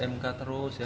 mk terus ya